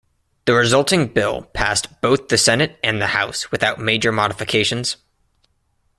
The resulting bill passed both the Senate and the House without major modifications.